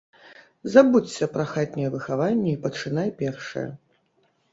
Забудзься пра хатняе выхаванне і пачынай першая.